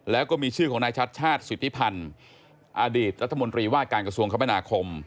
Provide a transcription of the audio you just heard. แล้วก็มีชื่อของนายชัดชาติสิทธิพันธ์อดีตรัฐมนตรีว่าการกระทรวงคมนาคม